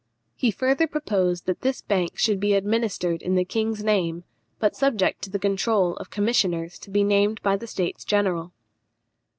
He further proposed that this bank should be administered in the king's name, but subject to the control of commissioners to be named by the States General.